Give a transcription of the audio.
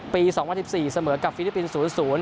๒๐๑๔เสมอกับฟิลิปปินส์๐๐